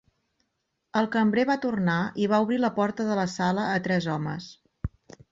El cambrer va tornar i va obrir la porta de la sala a tres homes.